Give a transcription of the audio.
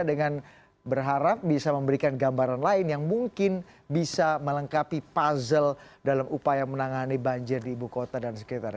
dengan berharap bisa memberikan gambaran lain yang mungkin bisa melengkapi puzzle dalam upaya menangani banjir di ibu kota dan sekitarnya